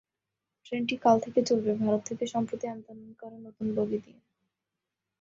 ট্রেনটি কাল থেকে চলবে ভারত থেকে সম্প্রতি আমদানি করা নতুন বগি দিয়ে।